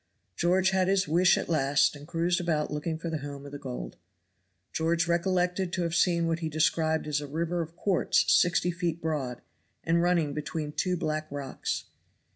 George had his wish at last and cruised about looking for the home of the gold. George recollected to have seen what he described as a river of quartz sixty feet broad, and running between two black rocks.